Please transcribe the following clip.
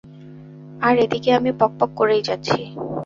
আর এদিকে আমি পকপক করেই যাচ্ছি।